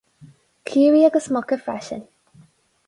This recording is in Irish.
Caoirigh agus muca freisin.